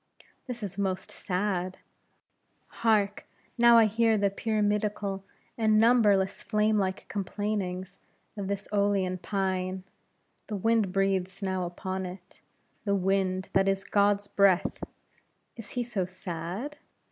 This is most sad. Hark, now I hear the pyramidical and numberless, flame like complainings of this Eolean pine; the wind breathes now upon it: the wind, that is God's breath! Is He so sad?